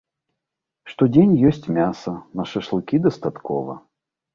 Штодзень ёсць мяса, на шашлыкі дастаткова.